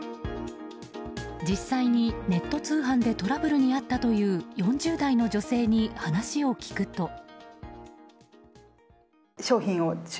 実際にネット通販でトラブルに遭ったという４０代の女性に話を聞くと。